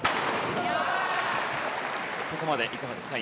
ここまでいかがですか？